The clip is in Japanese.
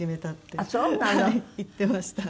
はい言ってました。